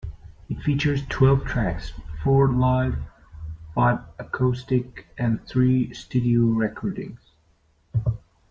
It features twelve tracks: four live, five acoustic, and three studio recordings.